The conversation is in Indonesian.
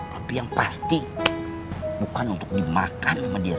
tapi yang pasti bukan untuk dimakan sama dia